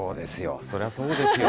そりゃそうですよ。